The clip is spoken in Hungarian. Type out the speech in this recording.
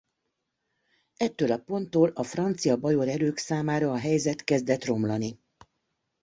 Ettől a ponttól a francia-bajor erők számára a helyzet kezdett romlani.